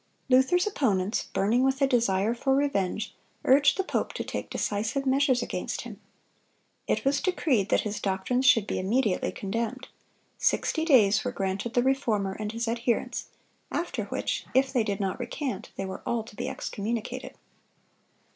Luther's opponents, burning with a desire for revenge, urged the pope to take decisive measures against him. It was decreed that his doctrines should be immediately condemned. Sixty days were granted the Reformer and his adherents, after which, if they did not recant, they were all to be excommunicated.